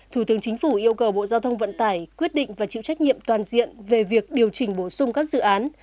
thủ tướng chính phủ yêu cầu bộ giao thông vận tải quyết định và chịu trách nhiệm toàn diện về việc điều chỉnh bổ sung các dự án